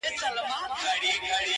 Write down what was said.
دا عجيبه ده د سوق اور يې و لحد ته وړئ”